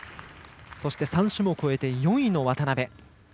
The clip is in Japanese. ３種目終えて４位の渡部。